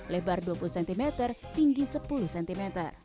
lebar dua puluh cm tinggi sepuluh cm